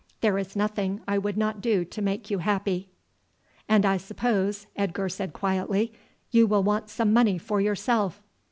There is nothing I would not do to make you happy." "And I suppose," Edgar said quietly, "you will want some money for yourself?"